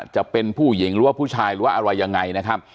จะเป็นผู้หญิงหรือว่าผู้ชายหรือว่าอะไรยังไงนะครับ